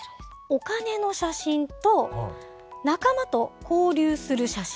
お金の写真と仲間と交流する写真。